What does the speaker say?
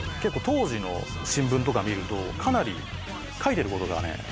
当時の新聞とか見るとかなり書いてる事がね違うんですよ